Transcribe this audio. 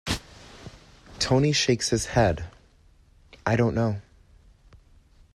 Tony shakes his head; I don't know.